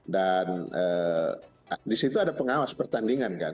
dan di situ ada pengawas pertandingan kan